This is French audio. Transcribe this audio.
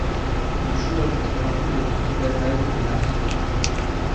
Il joua contre la Roumanie, l'Allemagne et la Hongrie.